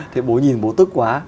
thế bố nhìn bố tức quá